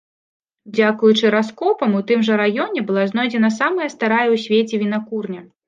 Дзякуючы раскопам у тым жа раёне была знойдзена самая старая ў свеце вінакурня.